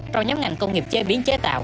trong nhóm ngành công nghiệp chế biến chế tạo